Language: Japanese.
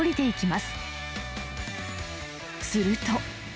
すると。